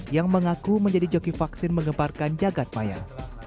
yang mengaku menjadi joki vaksin mengembarkan jagad mayat